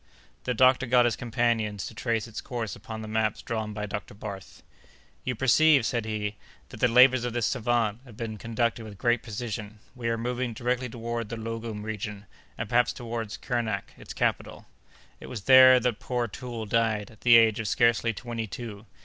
The doctor got his companions to trace its course upon the maps drawn by Dr. Barth. "You perceive," said he, "that the labors of this savant have been conducted with great precision; we are moving directly toward the Loggoum region, and perhaps toward Kernak, its capital. It was there that poor Toole died, at the age of scarcely twenty two.